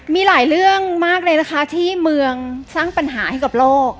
มีหลายเรื่องมากเลยนะคะที่เมืองสร้างปัญหาให้กับโลก